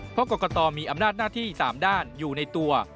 เพราะกรกตมีอำนาจหน้าที่๓ด้านอยู่ในตัว